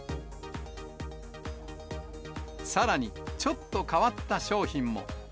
さらに、ちょっと変わった商品も。